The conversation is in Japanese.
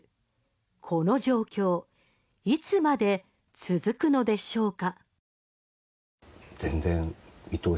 この状況いつまで続くのでしょうか？